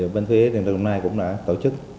bên phía điện lực đồng nai cũng đã tổ chức